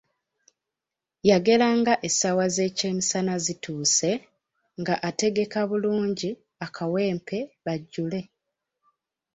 Yageranga essaawa z’ekyemisana zituuse, nga ategeka bulungi akawempe bajjule.